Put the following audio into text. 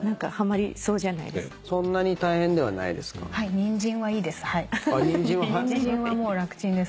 ニンジンはいいです。